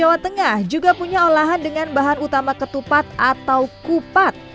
jawa tengah juga punya olahan dengan bahan utama ketupat atau kupat